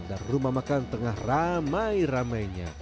dan rumah makan tengah ramai ramainya